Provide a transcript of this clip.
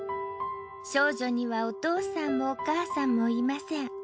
少女にはお父さんもお母さんもいません。